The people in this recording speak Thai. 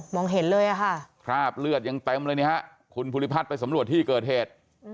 งเห็นเลยอะค่ะคราบเลือดยังเต็มเลยนะฮะคุณภูริพัฒน์ไปสำรวจที่เกิดเหตุ